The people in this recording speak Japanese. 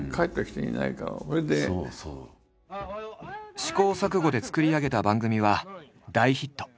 試行錯誤で作り上げた番組は大ヒット。